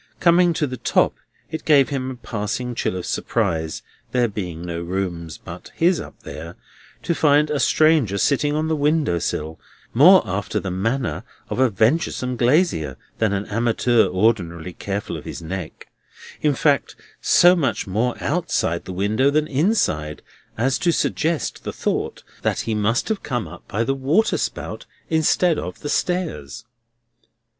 Coming to the top, it gave him a passing chill of surprise (there being no rooms but his up there) to find a stranger sitting on the window sill, more after the manner of a venturesome glazier than an amateur ordinarily careful of his neck; in fact, so much more outside the window than inside, as to suggest the thought that he must have come up by the water spout instead of the stairs.